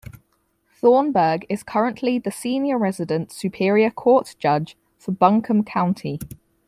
Thornburg is currently the senior resident superior court judge for Buncombe County.